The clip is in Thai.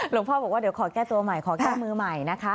หลวงพ่อบอกว่าเดี๋ยวขอแก้ตัวใหม่ขอแก้มือใหม่นะคะ